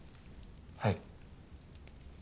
はい。